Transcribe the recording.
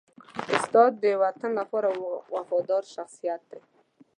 استاد د وطن لپاره وفادار شخصیت دی.